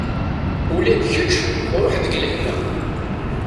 Ula d kečč ruḥ deg lehna.